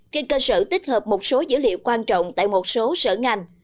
trên cơ sở tích hợp một số dữ liệu quan trọng tại một số sở ngành